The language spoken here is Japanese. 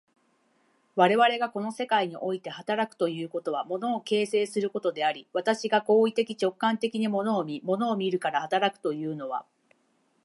我々がこの世界において働くということは、物を形成することであり、私が行為的直観的に物を見、物を見るから働くというのは、